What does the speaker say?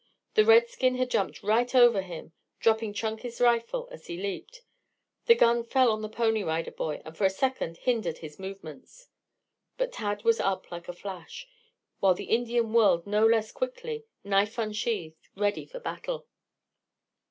The redskin had jumped right over him, dropping Chunky's rifle as he leaped. The gun fell on the Pony Rider boy and for a second hindered his movements. But Tad was up like a flash, while the Indian whirled no less quickly, knife unsheathed, ready for battle.